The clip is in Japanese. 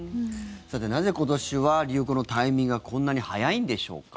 さて、なぜ今年は流行のタイミングがこんなに早いんでしょうか。